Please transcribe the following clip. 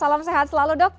salam sehat selalu dok